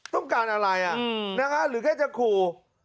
ต้องการอะไรอ่ะอืมนะคะหรือแค่จะขู่